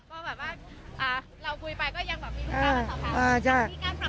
ก็แบบว่าอ่าเราคุยไปก็ยังแบบอ่าใช่มีการปรับเปลี่ยนยังไงบ้างค่ะ